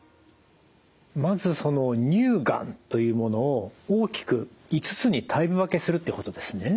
まずその乳がんというものを大きく５つにタイプ分けするということですね。